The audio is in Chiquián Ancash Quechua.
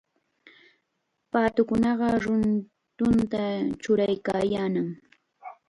Paatukuna ruruta churaykaayannam.